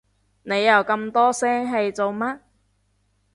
你又咁多聲氣做乜？